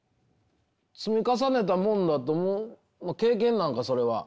積み重ねたものだと経験なんかそれは。